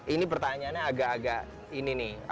ini pertanyaannya agak agak ini nih